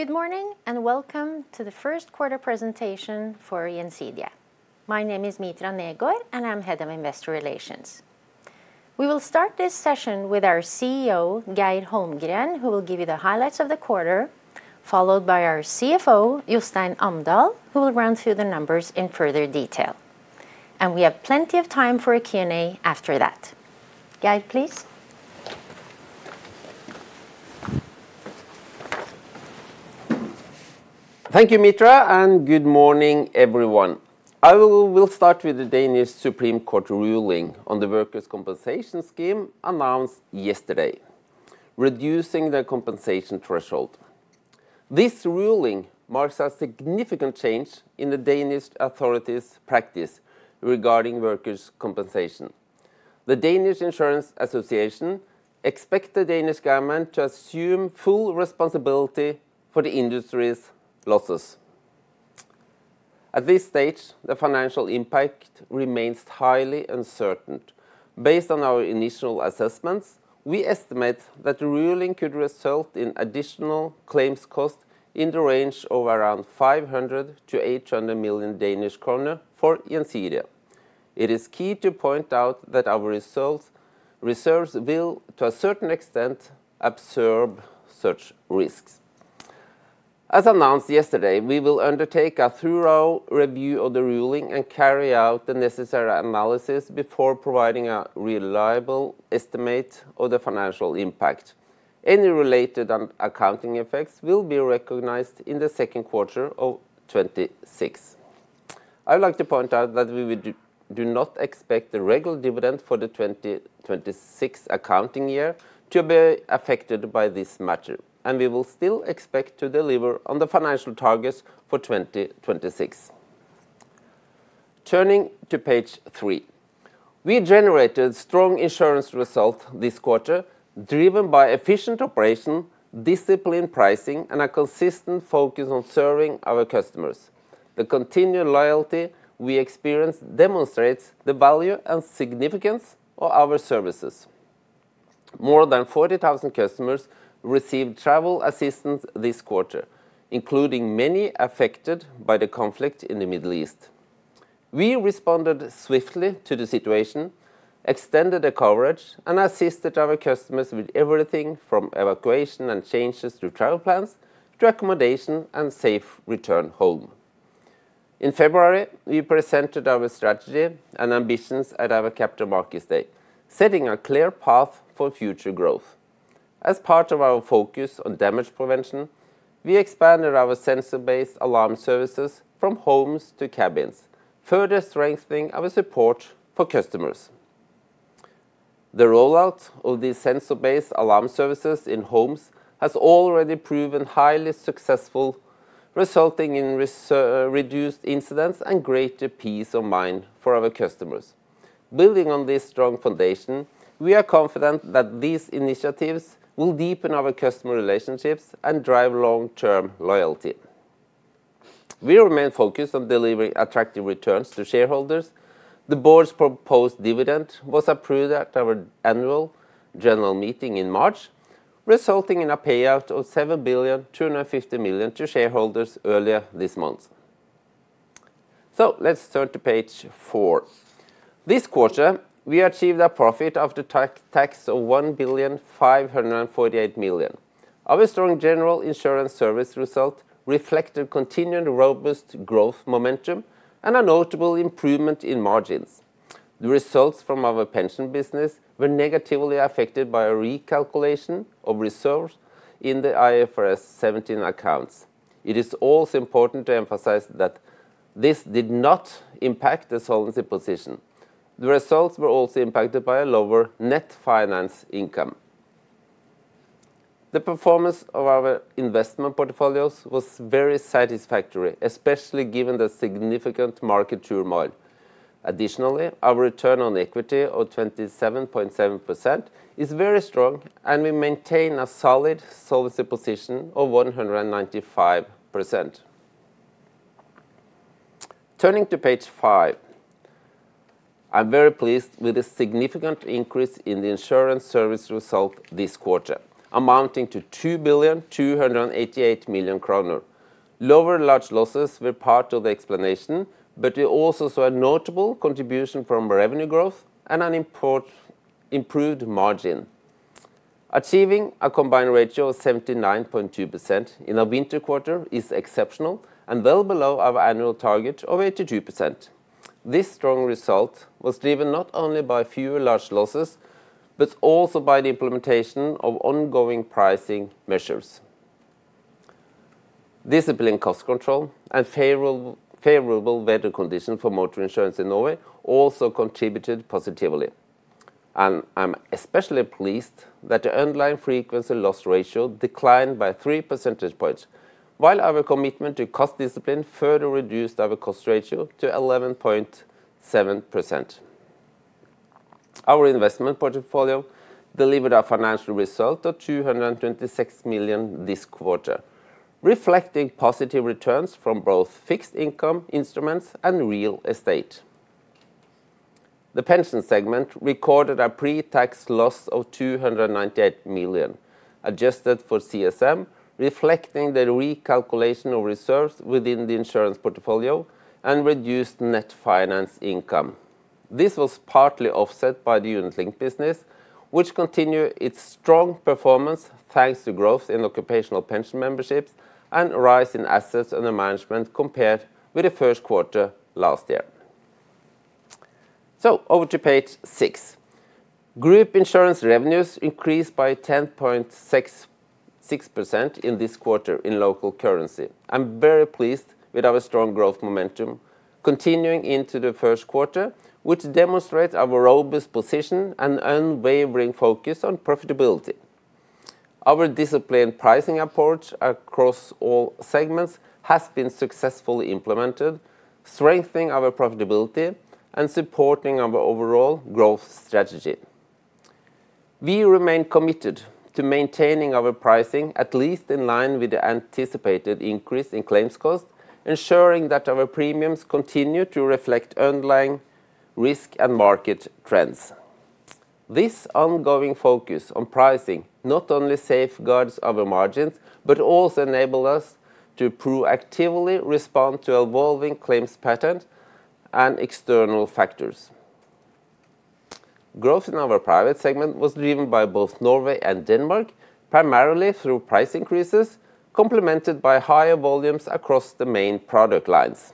Good morning, welcome to the first quarter presentation for Gjensidige. My name is Mitra Negård, I'm head of investor relations. We will start this session with our CEO, Geir Holmgren, who will give you the highlights of the quarter, followed by our CFO, Jostein Amdal, who will run through the numbers in further detail, we have plenty of time for a Q&A after that. Geir, please. Thank you, Mitra, and good morning, everyone. I will start with the Danish Supreme Court ruling on the workers' compensation scheme announced yesterday, reducing the compensation threshold. This ruling marks a significant change in the Danish authorities' practice regarding workers' compensation. The Danish Insurance Association expect the Danish government to assume full responsibility for the industry's losses. At this stage, the financial impact remains highly uncertain. Based on our initial assessments, we estimate that the ruling could result in additional claims cost in the range of around 500 million-800 million Danish kroner for Gjensidige. It is key to point out that our results reserves will, to a certain extent, absorb such risks. As announced yesterday, we will undertake a thorough review of the ruling and carry out the necessary analysis before providing a reliable estimate of the financial impact. Any related accounting effects will be recognized in the second quarter of 2026. I'd like to point out that we do not expect the regular dividend for the 2026 accounting year to be affected by this matter, and we will still expect to deliver on the financial targets for 2026. Turning to page 3, we generated strong insurance result this quarter, driven by efficient operation, disciplined pricing, and a consistent focus on serving our customers. The continued loyalty we experience demonstrates the value and significance of our services. More than 40,000 customers received travel assistance this quarter, including many affected by the conflict in the Middle East. We responded swiftly to the situation, extended the coverage, and assisted our customers with everything from evacuation and changes to travel plans to accommodation and safe return home. In February, we presented our strategy and ambitions at our Capital Markets Day, setting a clear path for future growth. As part of our focus on damage prevention, we expanded our sensor-based alarm services from homes to cabins, further strengthening our support for customers. The rollout of these sensor-based alarm services in homes has already proven highly successful, resulting in reduced incidents and greater peace of mind for our customers. Building on this strong foundation, we are confident that these initiatives will deepen our customer relationships and drive long-term loyalty. We remain focused on delivering attractive returns to shareholders. The board's proposed dividend was approved at our annual general meeting in March, resulting in a payout of 7 billion 250 million to shareholders earlier this month. Let's turn to page 4. This quarter, we achieved a profit after tax of 1 billion 548 million. Our strong general insurance service result reflected continued robust growth momentum and a notable improvement in margins. The results from our pension business were negatively affected by a recalculation of reserves in the IFRS 17 accounts. It is also important to emphasize that this did not impact the solvency position. The results were also impacted by a lower net finance income. The performance of our investment portfolios was very satisfactory, especially given the significant market turmoil. Additionally, our return on equity of 27.7% is very strong, and we maintain a solid solvency position of 195%. Turning to page 5, I'm very pleased with the significant increase in the insurance service result this quarter, amounting to 2 billion kroner 288 million. Lower large losses were part of the explanation, we also saw a notable contribution from revenue growth and an improved margin. Achieving a combined ratio of 79.2% in our winter quarter is exceptional and well below our annual target of 82%. This strong result was driven not only by fewer large losses, but also by the implementation of ongoing pricing measures. Disciplined cost control and favorable weather conditions for motor insurance in Norway also contributed positively. I'm especially pleased that the underlying frequency loss ratio declined by three percentage points while our commitment to cost discipline further reduced our cost ratio to 11.7%. Our investment portfolio delivered a financial result of 226 million this quarter, reflecting positive returns from both fixed income instruments and real estate. The pension segment recorded a pre-tax loss of 298 million, adjusted for CSM, reflecting the recalculation of reserves within the insurance portfolio and reduced net finance income. This was partly offset by the unit-linked business, which continue its strong performance, thanks to growth in occupational pension memberships and a rise in assets under management compared with the first quarter last year. Over to page 6. Group insurance revenues increased by 10.66% in this quarter in local currency. I'm very pleased with our strong growth momentum continuing into the first quarter, which demonstrates our robust position and unwavering focus on profitability. Our disciplined pricing approach across all segments has been successfully implemented, strengthening our profitability and supporting our overall growth strategy. We remain committed to maintaining our pricing at least in line with the anticipated increase in claims costs, ensuring that our premiums continue to reflect underlying risk and market trends. This ongoing focus on pricing not only safeguards our margins, but also enable us to proactively respond to evolving claims patterns and external factors. Growth in our private segment was driven by both Norway and Denmark, primarily through price increases, complemented by higher volumes across the main product lines.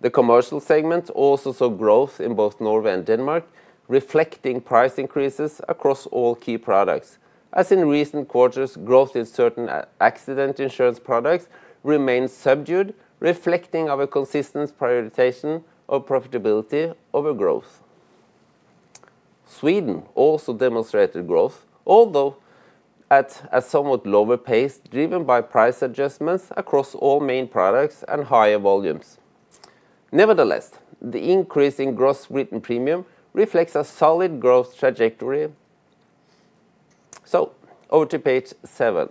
The commercial segment also saw growth in both Norway and Denmark, reflecting price increases across all key products. As in recent quarters, growth in certain a-accident insurance products remains subdued, reflecting our consistent prioritization of profitability over growth. Sweden also demonstrated growth, although at a somewhat lower pace, driven by price adjustments across all main products and higher volumes. Nevertheless, the increase in gross written premium reflects a solid growth trajectory. Over to page 7.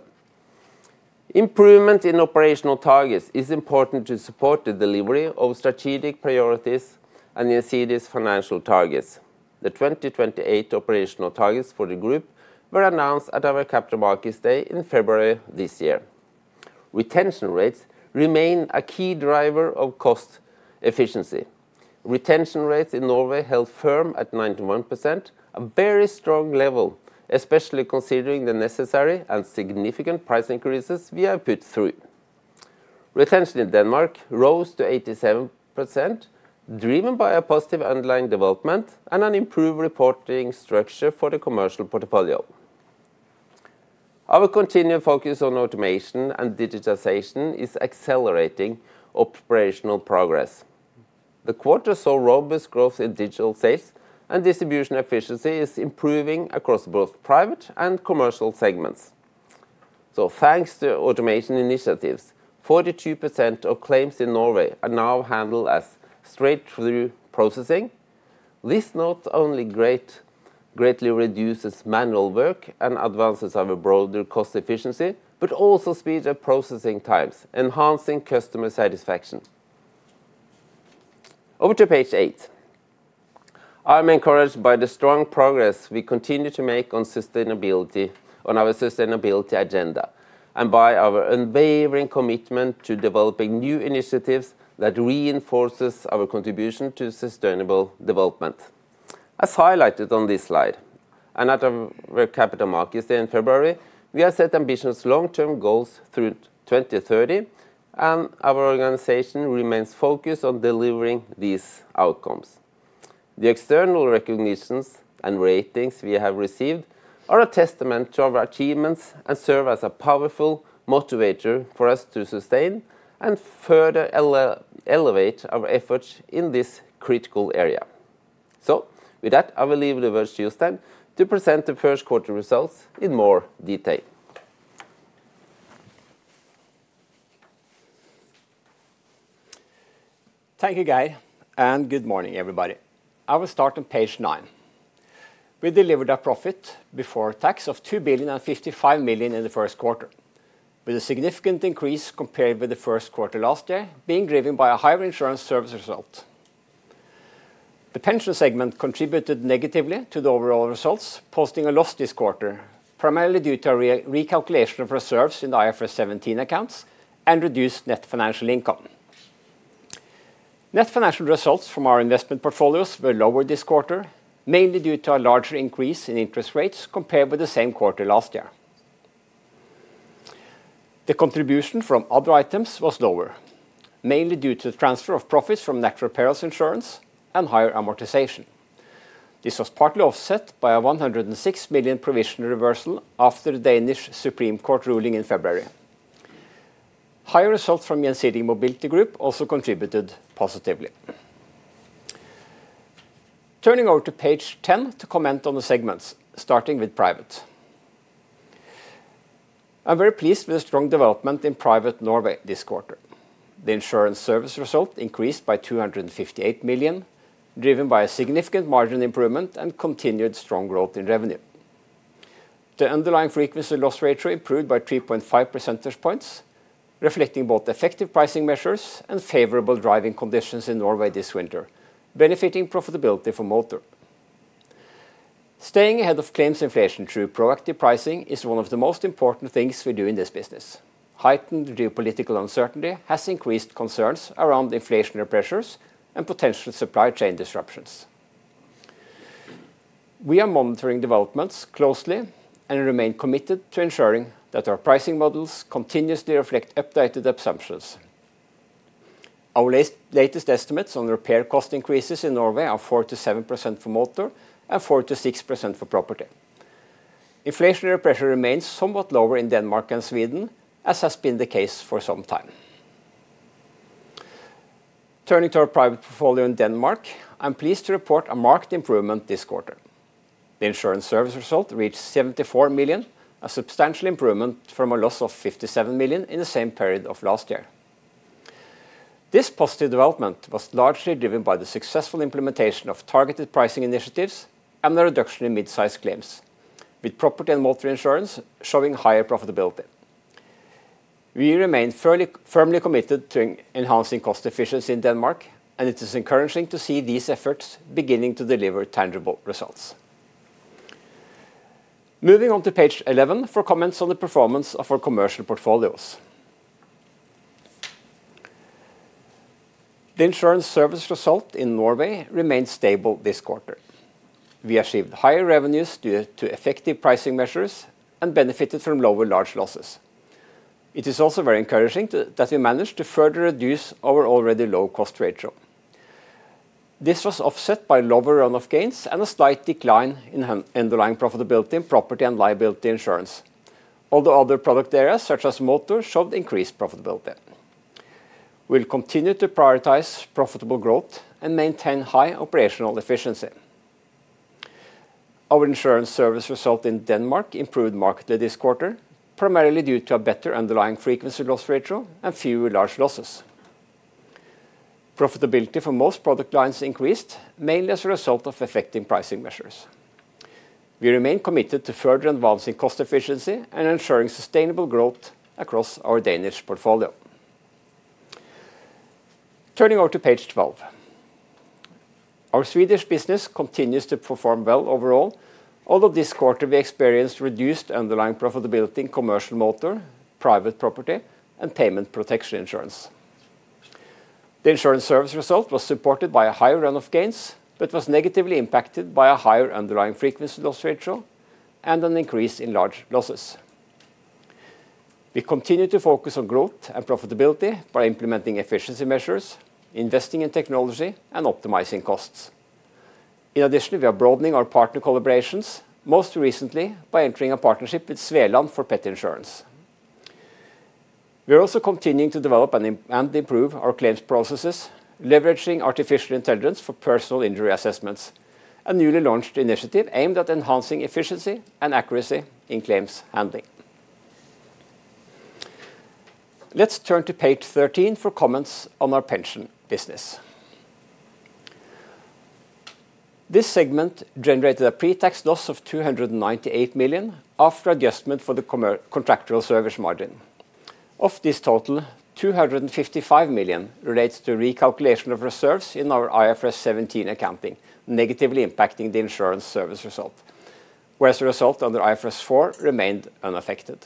Improvement in operational targets is important to support the delivery of strategic priorities and Gjensidige's financial targets. The 2028 operational targets for the group were announced at our Capital Markets Day in February this year. Retention rates remain a key driver of cost efficiency. Retention rates in Norway held firm at 91%, a very strong level, especially considering the necessary and significant price increases we have put through. Retention in Denmark rose to 87%, driven by a positive underlying development and an improved reporting structure for the commercial portfolio. Our continued focus on automation and digitization is accelerating operational progress. The quarter saw robust growth in digital sales, and distribution efficiency is improving across both private and commercial segments. Thanks to automation initiatives, 42% of claims in Norway are now handled as straight-through processing. This not only greatly reduces manual work and advances our broader cost efficiency, but also speeds up processing times, enhancing customer satisfaction. Over to page 8. I'm encouraged by the strong progress we continue to make on our sustainability agenda, and by our unwavering commitment to developing new initiatives that reinforces our contribution to sustainable development. As highlighted on this slide, and at our Capital Markets Day in February, we have set ambitious long-term goals through 2030, and our organization remains focused on delivering these outcomes. The external recognitions and ratings we have received are a testament to our achievements and serve as a powerful motivator for us to sustain and further elevate our efforts in this critical area. With that, I will leave the word to Jostein to present the first quarter results in more detail. Thank you, Geir, and good morning, everybody. I will start on page nine. We delivered a profit before tax of 2,055 million in the first quarter, with a significant increase compared with the first quarter last year being driven by a higher insurance service result. The pension segment contributed negatively to the overall results, posting a loss this quarter, primarily due to a re-recalculation of reserves in the IFRS 17 accounts and reduced net financial income. Net financial results from our investment portfolios were lower this quarter, mainly due to a larger increase in interest rates compared with the same quarter last year. The contribution from other items was lower, mainly due to the transfer of profits from natural perils insurance and higher amortization. This was partly offset by a 106 million provision reversal after the Danish Supreme Court ruling in February. Higher results from Gjensidige Mobility Group also contributed positively. Turning over to page 10 to comment on the segments, starting with Private. I'm very pleased with the strong development in Private Norway this quarter. The insurance service result increased by 258 million, driven by a significant margin improvement and continued strong growth in revenue. The underlying frequency loss ratio improved by 3.5 percentage points, reflecting both effective pricing measures and favorable driving conditions in Norway this winter, benefiting profitability for motor. Staying ahead of claims inflation through proactive pricing is one of the most important things we do in this business. Heightened geopolitical uncertainty has increased concerns around inflationary pressures and potential supply chain disruptions. We are monitoring developments closely and remain committed to ensuring that our pricing models continuously reflect updated assumptions. Our latest estimates on repair cost increases in Norway are 4% to 7% for motor and 4% to 6% for property. Inflationary pressure remains somewhat lower in Denmark and Sweden, as has been the case for some time. Turning to our private portfolio in Denmark, I'm pleased to report a marked improvement this quarter. The insurance service result reached 74 million, a substantial improvement from a loss of 57 million in the same period of last year. This positive development was largely driven by the successful implementation of targeted pricing initiatives and the reduction in mid-size claims, with property and motor insurance showing higher profitability. We remain firmly committed to enhancing cost efficiency in Denmark, and it is encouraging to see these efforts beginning to deliver tangible results. Moving on to page 11 for comments on the performance of our commercial portfolios. The insurance service result in Norway remained stable this quarter. We achieved higher revenues due to effective pricing measures and benefited from lower large losses. It is also very encouraging that we managed to further reduce our already low cost ratio. This was offset by lower run of gains and a slight decline in underlying profitability in property and liability insurance. Other product areas such as motor showed increased profitability. We'll continue to prioritize profitable growth and maintain high operational efficiency. Our insurance service result in Denmark improved markedly this quarter, primarily due to a better underlying frequency loss ratio and fewer large losses. Profitability for most product lines increased mainly as a result of effective pricing measures. We remain committed to further advancing cost efficiency and ensuring sustainable growth across our Danish portfolio. Turning over to page 12. Our Swedish business continues to perform well overall. This quarter we experienced reduced underlying profitability in commercial motor, private property and payment protection insurance. The insurance service result was supported by a higher run of gains, but was negatively impacted by a higher underlying frequency loss ratio and an increase in large losses. We continue to focus on growth and profitability by implementing efficiency measures, investing in technology and optimizing costs. In addition, we are broadening our partner collaborations, most recently by entering a partnership with Sveland for pet insurance. We are also continuing to develop and improve our claims processes, leveraging artificial intelligence for personal injury assessments, a newly launched initiative aimed at enhancing efficiency and accuracy in claims handling. Let's turn to page 13 for comments on our pension business. This segment generated a pre-tax loss of 298 million after adjustment for the contractual service margin. Of this total, 255 million relates to recalculation of reserves in our IFRS 17 accounting, negatively impacting the insurance service result, whereas the result under IFRS 4 remained unaffected.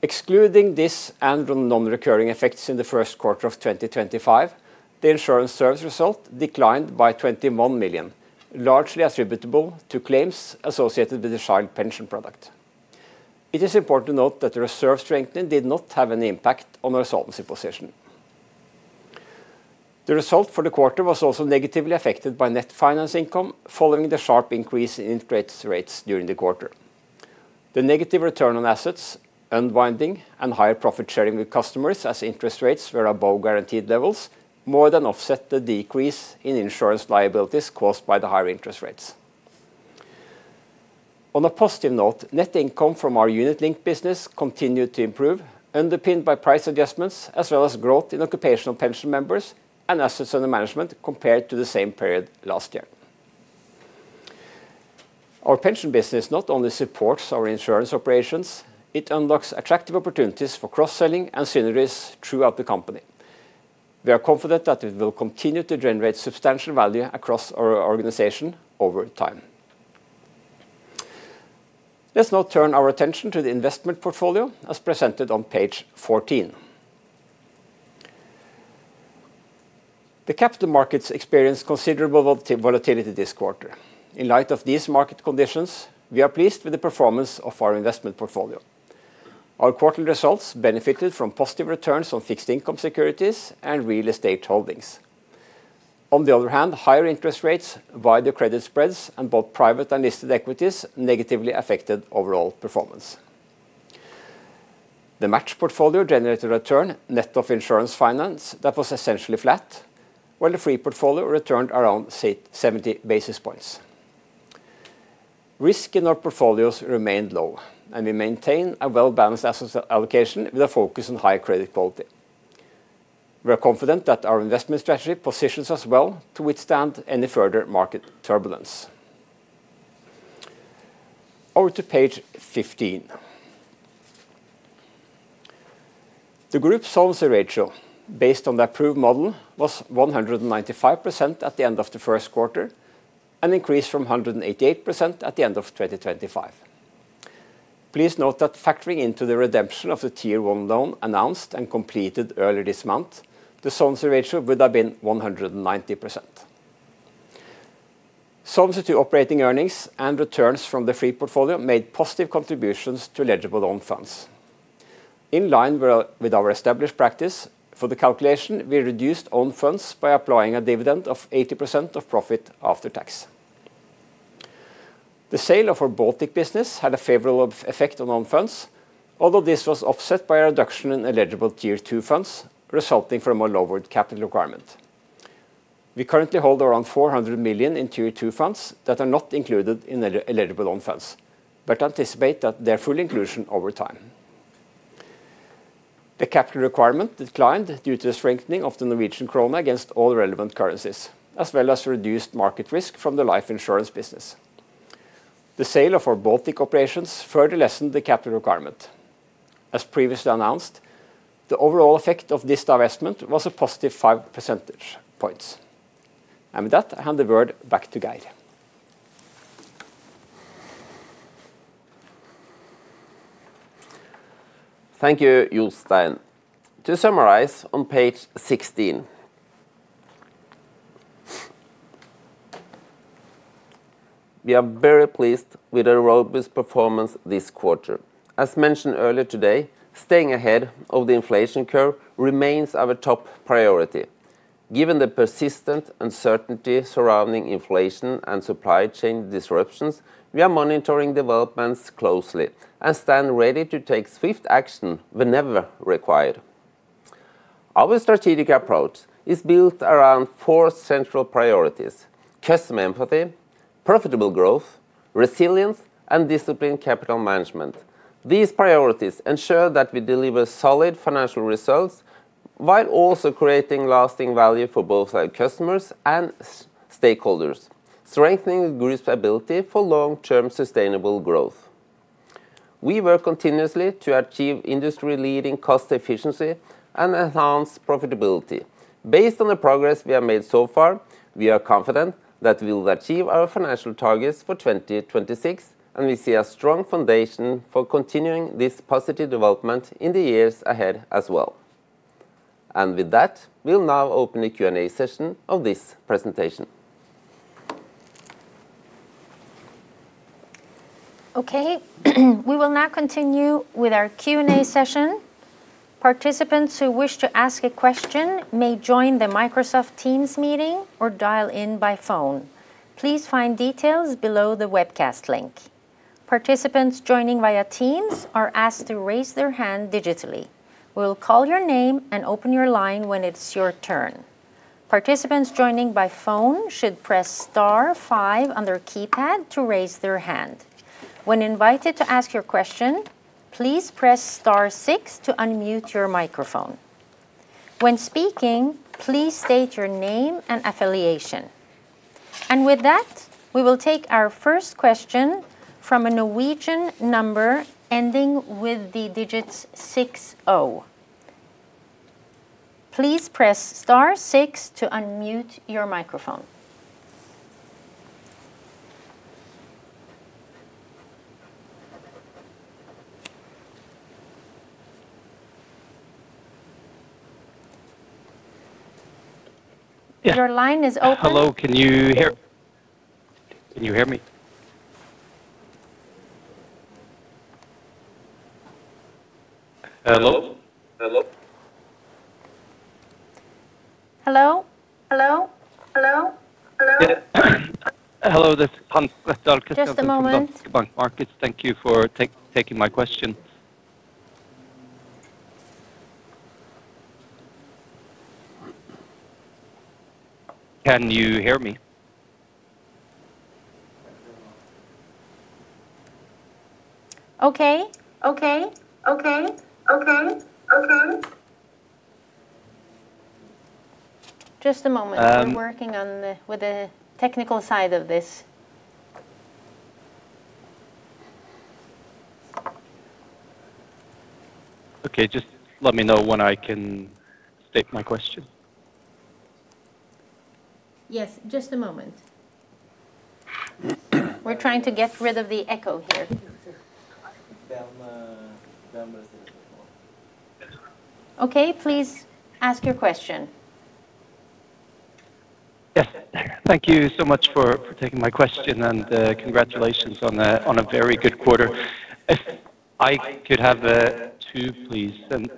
Excluding this and the non-recurring effects in the first quarter of 2025, the insurance service result declined by 21 million, largely attributable to claims associated with the Child's pension product. It is important to note that the reserve strengthening did not have any impact on the solvency position. The result for the quarter was also negatively affected by net finance income following the sharp increase in interest rates during the quarter. The negative return on assets, unwinding and higher profit sharing with customers as interest rates were above guaranteed levels, more than offset the decrease in insurance liabilities caused by the higher interest rates. On a positive note, net income from our unit-linked business continued to improve, underpinned by price adjustments as well as growth in occupational pension members and assets under management compared to the same period last year. Our pension business not only supports our insurance operations, it unlocks attractive opportunities for cross-selling and synergies throughout the company. We are confident that it will continue to generate substantial value across our organization over time. Let's now turn our attention to the investment portfolio as presented on page 14. The capital markets experienced considerable volatility this quarter. In light of these market conditions, we are pleased with the performance of our investment portfolio. Our quarterly results benefited from positive returns on fixed income securities and real estate holdings. Higher interest rates via the credit spreads and both private and listed equities negatively affected overall performance. The match portfolio generated a return net of insurance finance that was essentially flat, while the free portfolio returned around 70 basis points. Risk in our portfolios remained low, and we maintain a well-balanced asset allocation with a focus on high credit quality. We are confident that our investment strategy positions us well to withstand any further market turbulence. Over to page 15. The group solvency ratio based on the approved model was 195% at the end of the first quarter, an increase from 188% at the end of 2025. Please note that factoring into the redemption of the Tier 1 loan announced and completed earlier this month, the solvency ratio would have been 190%. Solvency operating earnings and returns from the fee portfolio made positive contributions to eligible own funds. In line with our established practice for the calculation, we reduced own funds by applying a dividend of 80% of profit after tax. The sale of our Baltic business had a favorable effect on own funds, although this was offset by a reduction in eligible Tier 2 funds, resulting from a lowered capital requirement. We currently hold around 400 million in Tier 2 funds that are not included in eligible own funds, but anticipate that their full inclusion over time. The capital requirement declined due to the strengthening of the Norwegian kroner against all relevant currencies, as well as reduced market risk from the life insurance business. The sale of our Baltic operations further lessened the capital requirement. As previously announced, the overall effect of this divestment was a positive 5 percentage points. With that, I hand the word back to Geir. Thank you, Jostein. To summarize on page 16. We are very pleased with a robust performance this quarter. As mentioned earlier today, staying ahead of the inflation curve remains our top priority. Given the persistent uncertainty surrounding inflation and supply chain disruptions, we are monitoring developments closely and stand ready to take swift action whenever required. Our strategic approach is built around four central priorities: customer empathy, profitable growth, resilience, and disciplined capital management. These priorities ensure that we deliver solid financial results while also creating lasting value for both our customers and stakeholders, strengthening the group's ability for long-term sustainable growth. We work continuously to achieve industry-leading cost efficiency and enhance profitability. Based on the progress we have made so far, we are confident that we will achieve our financial targets for 2026, and we see a strong foundation for continuing this positive development in the years ahead as well. With that, we'll now open the Q&A session of this presentation. Okay, we will now continue with our Q&A session. Participants who wish to ask a question may join the Microsoft Teams meeting or dial in by phone. Please find details below the webcast link. Participants joining via Teams are asked to raise their hand digitally. We will call your name and open your line when it is your turn. Participants joining by phone should press star five on their keypad to raise their hand. When invited to ask your question, please press star six to unmute your microphone. When speaking, please state your name and affiliation. With that, we will take our first question from a Norwegian number ending with the digits 60. Please press star six to unmute your microphone. Your line is open. Hello. Can you hear me? Hello? Yeah. Hello, this is Hans from DNB Markets. Just a moment. Thank you for taking my question. Can you hear me? Okay. Okay. Okay. Okay. Okay. Just a moment. Um- Just a moment. We're working with the technical side of this. Okay. Just let me know when I can state my question. Yes, just a moment. We're trying to get rid of the echo here. Okay, please ask your question. Yes. Thank you so much for taking my question, congratulations on a very good quarter. If I could have two, please.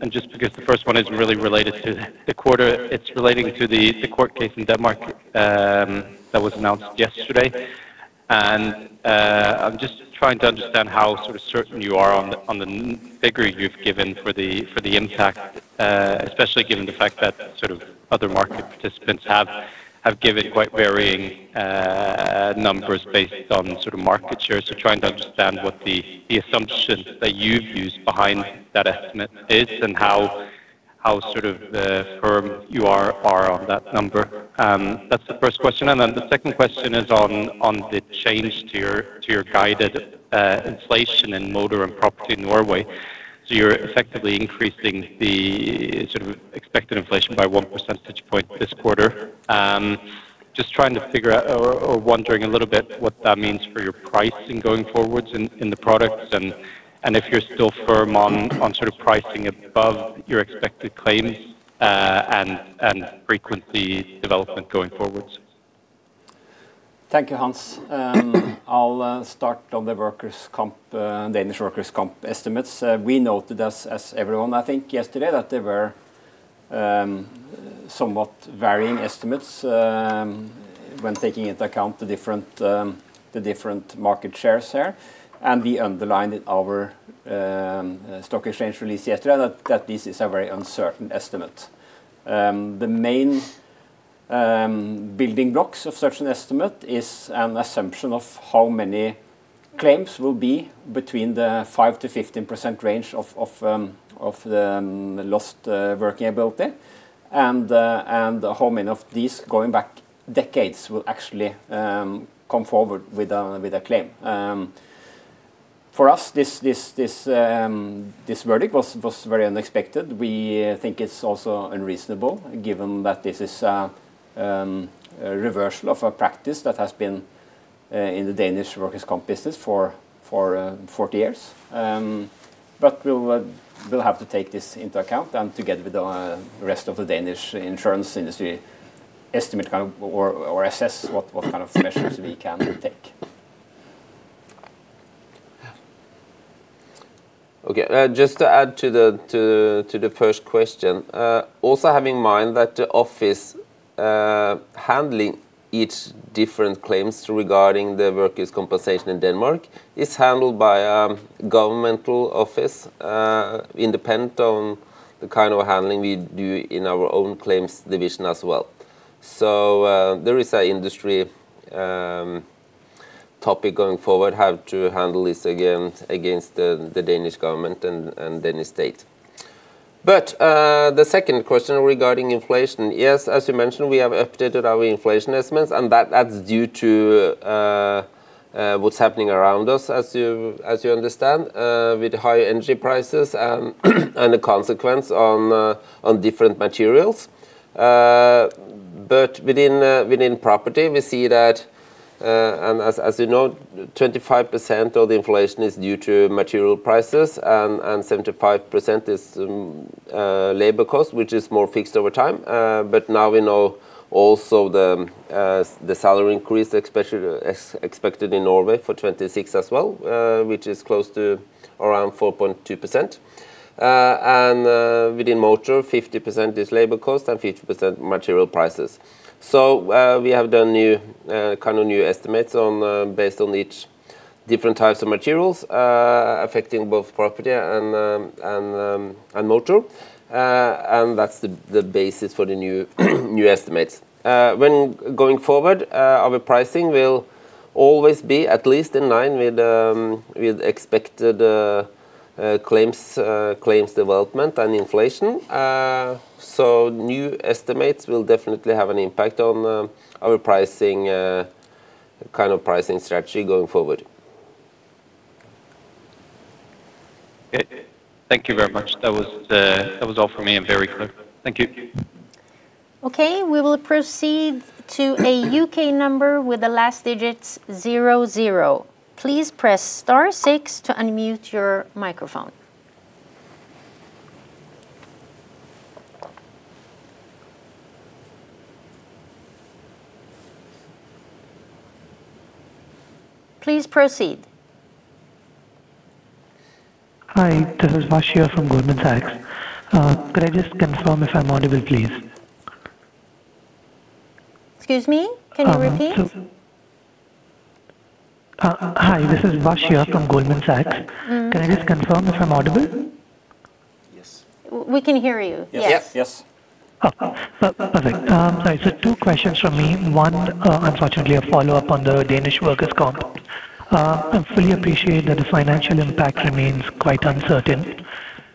Just because the first one is really related to the quarter, it's relating to the court case in Denmark that was announced yesterday. I'm just trying to understand how sort of certain you are on the figure you've given for the impact, especially given the fact that sort of other market participants have given quite varying numbers based on sort of market share. Trying to understand what the assumption that you've used behind that estimate is and how sort of firm you are on that number? That's the first question. The second question is on the change to your, to your guided inflation in motor and property in Norway. You're effectively increasing the sort of expected inflation by 1 percentage point this quarter. Trying to figure out or wondering a little bit what that means for your pricing going forwards in the products and if you're still firm on sort of pricing above your expected claims and frequency development going forwards. Thank you, Hans. I'll start on the workers' comp, Danish workers' comp estimates. We noted as everyone I think yesterday, that there were somewhat varying estimates when taking into account the different market shares here. We underlined in our stock exchange release yesterday that this is a very uncertain estimate. The main building blocks of such an estimate is an assumption of how many claims will be between the 5% to 15% range of the lost working ability, and how many of these going back decades will actually come forward with a claim. For us, this verdict was very unexpected. We think it's also unreasonable given that this is a reversal of a practice that has been in the Danish workers' comp business for 40 years. We'll have to take this into account and together with the rest of the Danish insurance industry estimate or assess what kind of measures we can take. Okay. Just to add to the first question. Also have in mind that the office, handling each different claims regarding the workers' compensation in Denmark is handled by a governmental office, independent on the kind of handling we do in our own claims division as well. There is an industry topic going forward, how to handle this against the Danish government and Danish state. The second question regarding inflation, yes, as you mentioned, we have updated our inflation estimates, and that adds due to what's happening around us as you understand, with high energy prices, and the consequence on different materials. Within property, we see that, as you know, 25% of the inflation is due to material prices, and 75% is labor cost, which is more fixed over time. Now we know also the salary increase, especially expected in Norway for 2026 as well, which is close to around 4.2%. Within motor, 50% is labor cost and 50% material prices. We have done new, kind of new estimates on, based on each different types of materials, affecting both property and motor. That's the basis for the new estimates. When going forward, our pricing will always be at least in line with expected claims development and inflation. New estimates will definitely have an impact on our pricing kind of pricing strategy going forward. Okay. Thank you very much. That was all for me and very clear. Thank you. Okay. We will proceed to a U.K. number with the last digits 00. Please press star six to unmute your microphone. Please proceed. Hi, this is Marcia from Goldman Sachs. Could I just confirm if I'm audible, please? Excuse me. Can you repeat? Hi, this is Marcia from Goldman Sachs. Mm-hmm. Can I just confirm if I'm audible? Yes. We can hear you. Yes. Yes. Yes. Perfect. Sorry. Two questions from me. One, unfortunately a follow-up on the Danish workers' comp. I fully appreciate that the financial impact remains quite uncertain,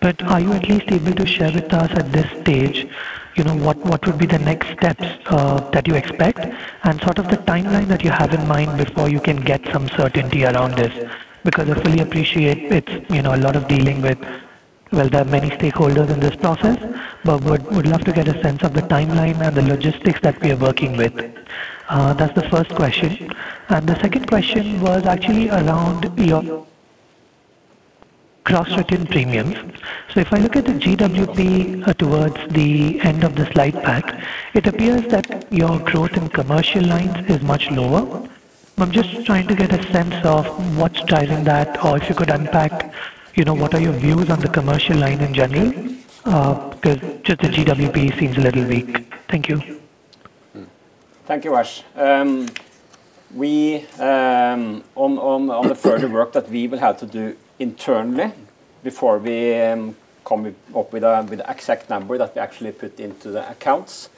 but are you at least able to share with us at this stage, you know, what would be the next steps that you expect, and sort of the timeline that you have in mind before you can get some certainty around this? I fully appreciate it's, you know, a lot of dealing with. Well, there are many stakeholders in this process, but would love to get a sense of the timeline and the logistics that we are working with. That's the first question. The second question was actually around your gross written premiums. If I look at the GWP towards the end of the slide pack, it appears that your growth in commercial lines is much lower. I'm just trying to get a sense of what's driving that or if you could unpack, you know, what are your views on the commercial line in general, 'cause just the GWP seems a little weak. Thank you. Thank you, Marsh. On the further work that we will have to do internally before we come up with the exact number that we actually put into the accounts,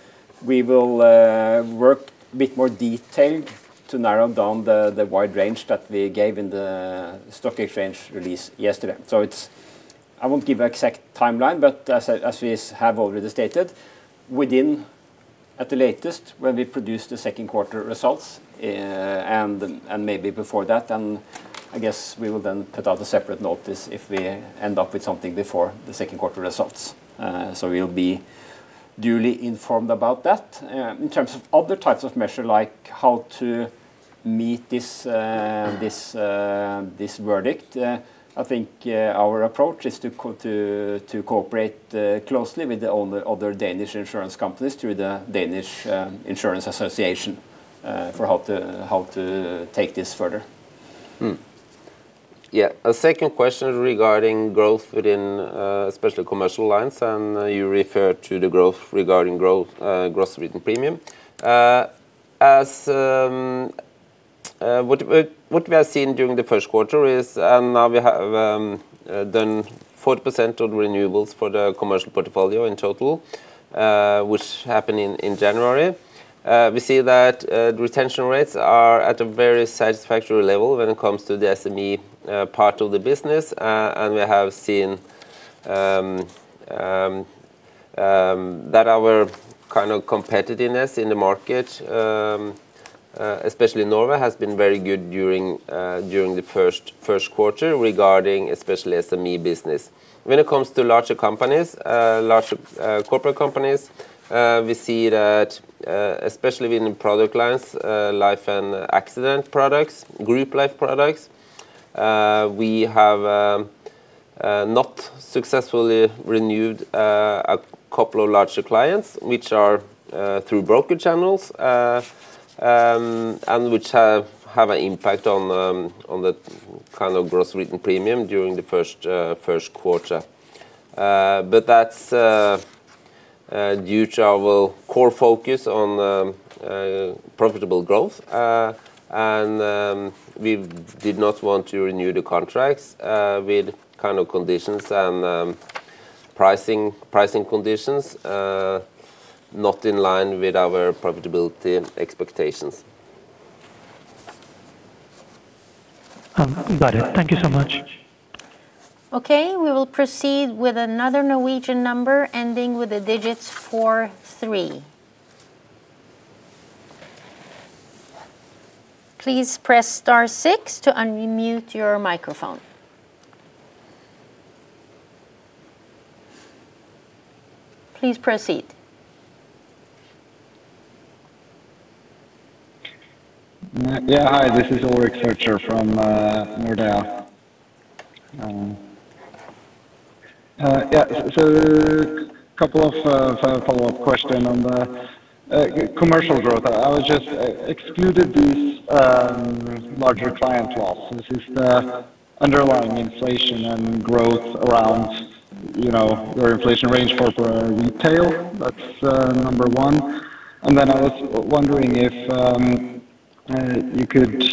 we will work a bit more detailed to narrow down the wide range that we gave in the stock exchange release yesterday. So it's I won't give an exact timeline, but as we have already stated, within at the latest when we produce the second quarter results, and maybe before that, then I guess we will then put out a separate notice if we end up with something before the second quarter results. You'll be duly informed about that. In terms of other types of measure, like how to meet this verdict, I think our approach is to cooperate closely with the other Danish insurance companies through the Danish Insurance Association, for how to take this further. A second question regarding growth within especially commercial lines. You refer to the growth regarding growth, gross written premium. As what we have seen during the first quarter is, now we have done 40% of renewables for the commercial portfolio in total, which happened in January. We see that retention rates are at a very satisfactory level when it comes to the SME part of the business. We have seen that our kind of competitiveness in the market, especially Nova, has been very good during the first quarter regarding especially SME business. When it comes to larger companies, larger corporate companies, we see that especially within product lines, life and accident products, group life products, we have not successfully renewed a couple of larger clients which are through broker channels, and which have an impact on the kind of gross written premium during the first quarter. That's due to our core focus on profitable growth. We did not want to renew the contracts with kind of conditions and pricing conditions not in line with our profitability expectations. Got it. Thank you so much. Okay. We will proceed with another Norwegian number ending with the digits four three. Please press star six to unmute your microphone. Please proceed. Yeah. Hi, this is Ulrik Årdal Zürcher from Nordea. A couple of follow-up question on the commercial growth. Excluded these larger client loss. This is the underlying inflation and growth around, you know, your inflation range for retail? That's number 1. I was wondering if you could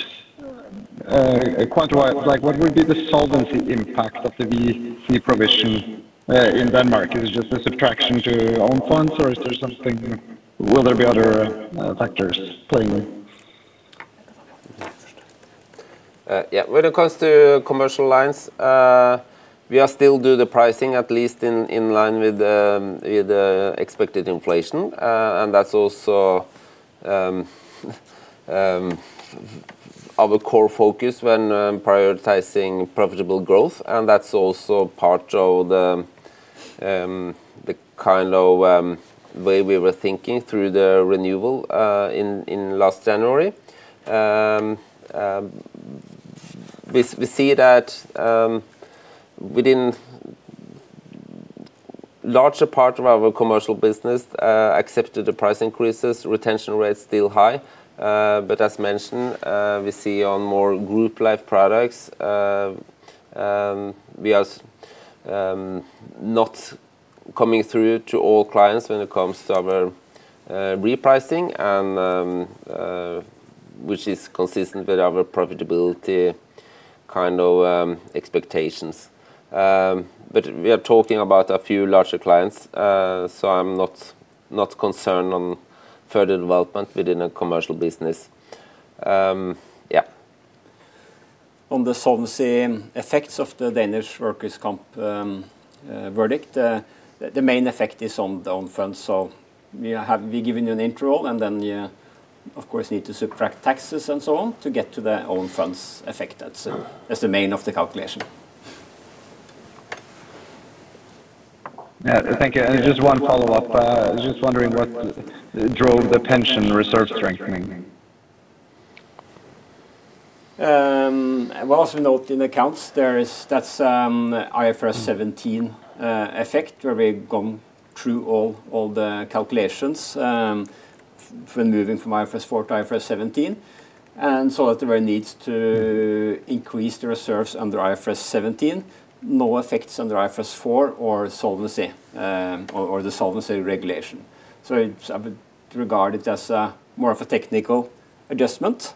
quantify what would be the solvency impact of the WC provision in Denmark? Is it just a subtraction to own funds or will there be other factors playing? Yeah. When it comes to commercial lines, we are still do the pricing at least in line with the expected inflation. That's also our core focus when prioritizing profitable growth, and that's also part of the kind of way we were thinking through the renewal in last January. We see that within larger part of our commercial business accepted the price increases, retention rates still high. As mentioned, we see on more group life products we are not coming through to all clients when it comes to our repricing and which is consistent with our profitability kind of expectations. We are talking about a few larger clients, so I'm not concerned on further development within the commercial business. On the solvency effects of the Danish workers' comp verdict, the main effect is on the own funds. We've given you an intro and then you, of course, need to subtract taxes and so on to get to the own funds affected. That's the main of the calculation. Yeah. Thank you. Just 1 follow-up. Just wondering what drove the pension reserve strengthening? we also note in accounts That's IFRS17 effect, where we've gone through all the calculations when moving from IFRS4 to IFRS17, so that there were needs to increase the reserves under IFRS17, no effects under IFRS4 or solvency or the solvency regulation. It's I would regard it as a more of a technical adjustment.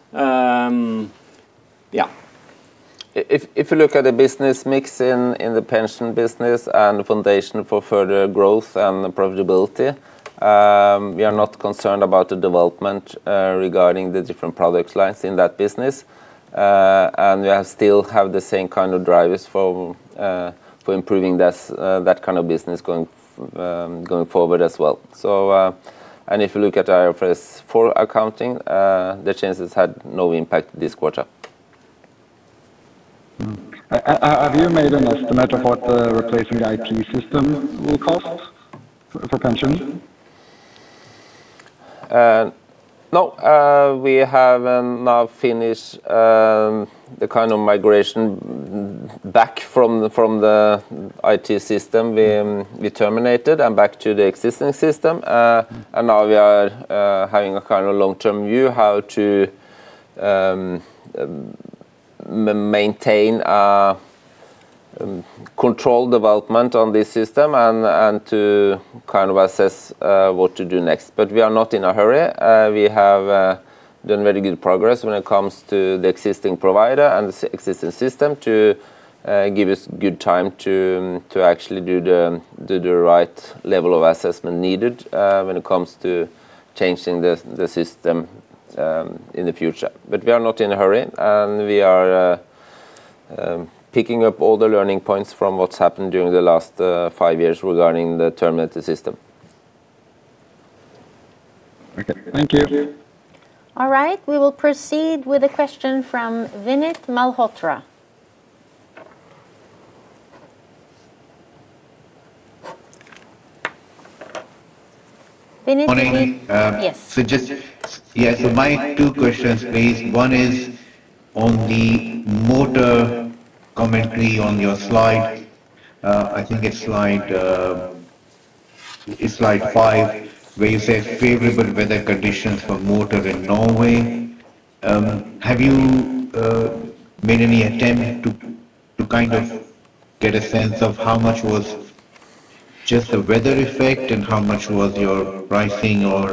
If you look at the business mix in the pension business and the foundation for further growth and profitability, we are not concerned about the development regarding the different product lines in that business. We are still have the same kind of drivers for improving this that kind of business going forward as well. If you look at IFRS4 accounting, the chances had no impact this quarter. Mm-hmm. Have you made an estimate of what the replacing the IT system will cost for pension? No, we have now finished the kind of migration back from the, from the IT system we terminated and back to the existing system. Now we are having a kind of long-term view how to maintain control development on this system and to kind of assess what to do next. We are not in a hurry. We have done very good progress when it comes to the existing provider and existing system to give us good time to actually do the, do the right level of assessment needed when it comes to changing the system in the future. We are not in a hurry, and we are picking up all the learning points from what's happened during the last 5 years regarding the terminated system. Okay. Thank you. All right. We will proceed with a question from Vineet Malhotra. Vineet, Morning. Yes. My two questions please. One is on the motor commentary on your slide. I think it's slide 5, where you said favorable weather conditions for motor in Norway. Have you made any attempt to kind of get a sense of how much was just the weather effect and how much was your pricing or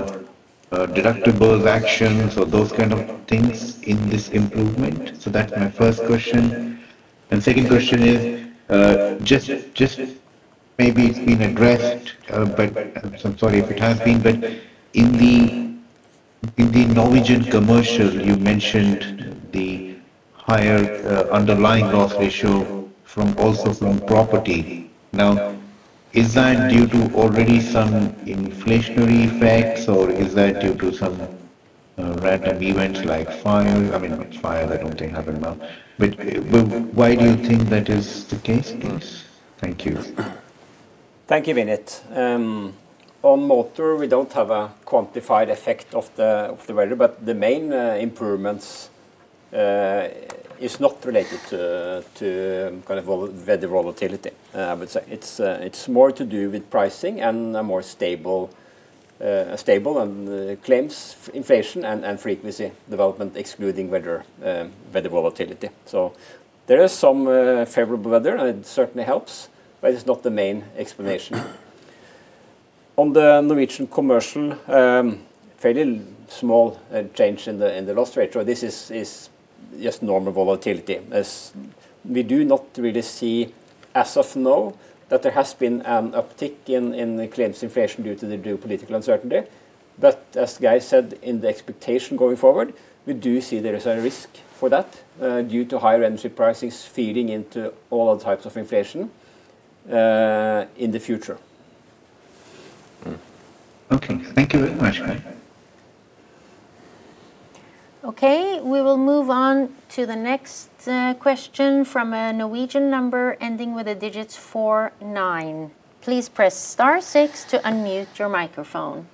deductibles actions or those kind of things in this improvement? That's my first question. Second question is, just maybe it's been addressed, but I'm sorry if it has been, but in the Norwegian Commercial, you mentioned the higher underlying loss ratio from also from property. Is that due to already some inflationary effects, or is that due to some random events like fire? I mean, not fire, I don't think happen now. Why do you think that is the case, please? Thank you. Thank you, Vineet. On motor, we don't have a quantified effect of the weather, but the main improvements is not related to kind of weather volatility, I would say. It's more to do with pricing and a more stable and claims inflation and frequency development excluding weather volatility. There is some favorable weather, and it certainly helps, but it's not the main explanation. On the Norwegian Commercial, fairly small change in the loss ratio. This is just normal volatility, as we do not really see, as of now, that there has been an uptick in the claims inflation due to the geopolitical uncertainty. As Geir said, in the expectation going forward, we do see there is a risk for that due to higher energy prices feeding into all types of inflation in the future. Okay. Thank you very much. Okay. We will move on to the next question from a Norwegian number ending with the digits 49. Please press star six to unmute your microphone.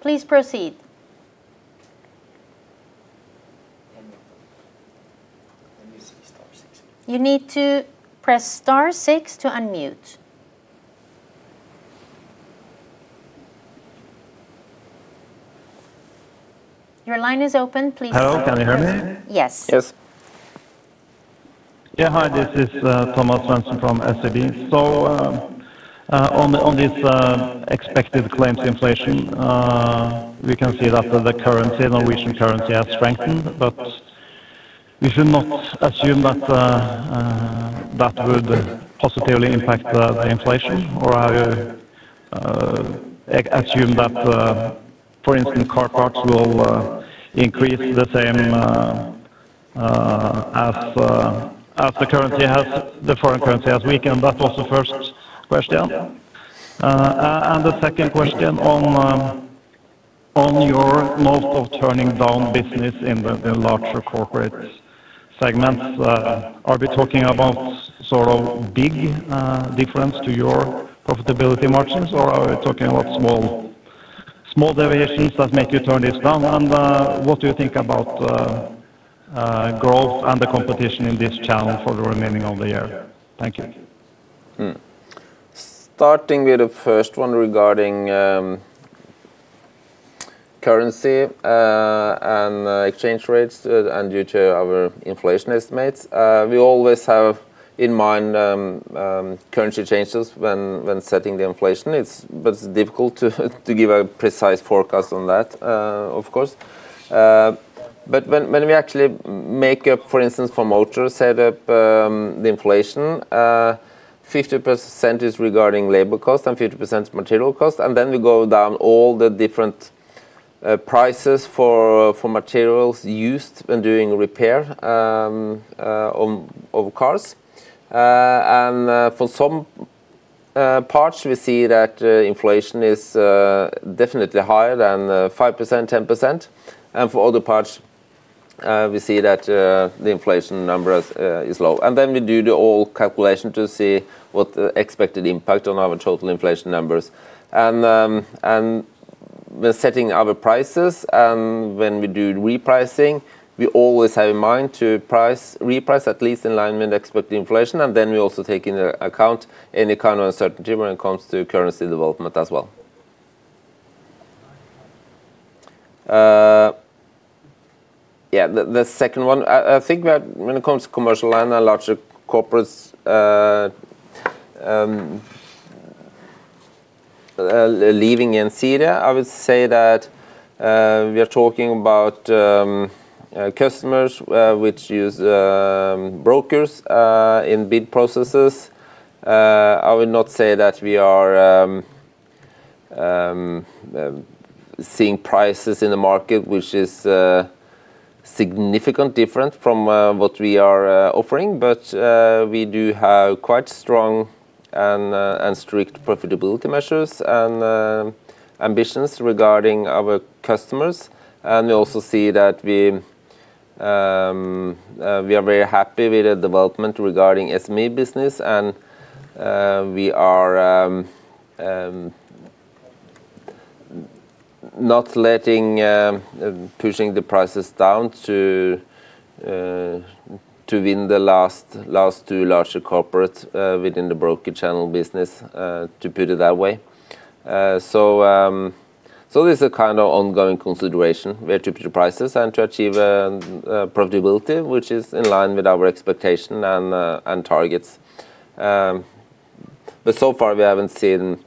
Please proceed. star six. You need to press star six to unmute. Your line is open. Please go ahead. Hello. Can you hear me? Yes. Yes. Yeah. Hi, this is Thomas Svendsen from SEB. On this expected claims inflation, we can see that the currency, Norwegian currency has strengthened. We should not assume that that would positively impact the inflation or are you assume that, for instance, car parts will increase the same as the foreign currency has weakened? That was the first question. The second question on your note of turning down business in the larger corporate segments, are we talking about sort of big difference to your profitability margins, or are we talking about small deviations that make you turn this down? What do you think about growth and the competition in this channel for the remaining of the year? Thank you. Starting with the first one regarding currency and exchange rates, due to our inflation estimates, we always have in mind currency changes when setting the inflation. It's difficult to give a precise forecast on that, of course. When we actually make up, for instance, for motor set up, the inflation, 50% is regarding labor cost and 50% material cost, and then we go down all the different prices for materials used when doing repair on cars. For some parts we see that inflation is definitely higher than 5%, 10%. For other parts, we see that the inflation number is low. Then we do the all calculation to see what the expected impact on our total inflation numbers. We're setting our prices, when we do repricing, we always have in mind to reprice at least in line with expected inflation, then we also take into account any kind of uncertainty when it comes to currency development as well. Yeah, the second one, I think that when it comes to commercial and the larger corporates, leaving Gjensidige, I would say that we are talking about customers which use brokers in bid processes. I would not say that we are seeing prices in the market, which is significant different from what we are offering. We do have quite strong and strict profitability measures and ambitions regarding our customers. We also see that we are very happy with the development regarding SME business and we are not letting pushing the prices down to win the last two larger corporate within the broker channel business, to put it that way. This is a kind of ongoing consideration, where to put prices and to achieve profitability, which is in line with our expectation and targets. So far we haven't seen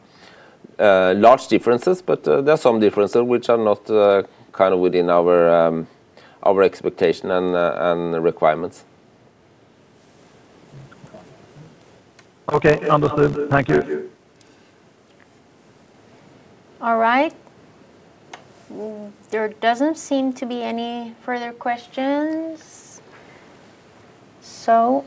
large differences, but there are some differences which are not kind of within our expectation and requirements. Okay. Understood. Thank you. All right. There doesn't seem to be any further questions, so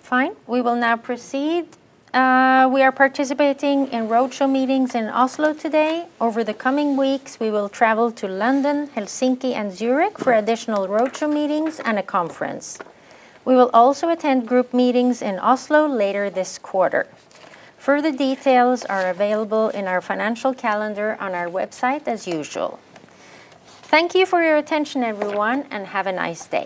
fine. We will now proceed. We are participating in roadshow meetings in Oslo today. Over the coming weeks, we will travel to London, Helsinki, and Zurich for additional roadshow meetings and a conference. We will also attend group meetings in Oslo later this quarter. Further details are available in our financial calendar on our website as usual. Thank you for your attention everyone, and have a nice day.